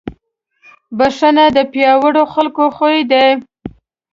بښنه د پیاوړو خلکو خوی دی.